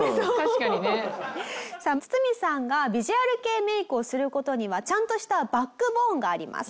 さあツツミさんがヴィジュアル系メイクをする事にはちゃんとしたバックボーンがあります。